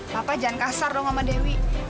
papa jangan kasar dong sama dewi